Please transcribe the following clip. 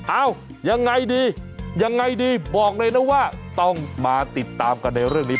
เอ้ายังไงดียังไงดีบอกเลยนะว่าต้องมาติดตามกันในเรื่องนี้